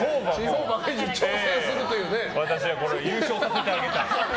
私は優勝させてあげたい。